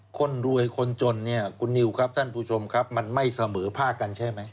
คนรวยคนจนเนี่ยคุณนิวครับท่านผู้ชมครับมันไม่เสมอภาคกันใช่ไหม